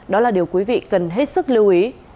đó là điều quý vị cần hết sức lưu ý